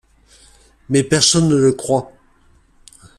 Mais personne ne le croit.